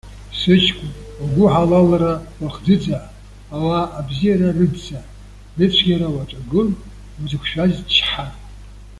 Сыҷкәын, угәыҳалалра уахӡыӡаа, ауаа абзиара рыдҵа, рыцәгьара уаҿагыл, узықәшәаз чҳа.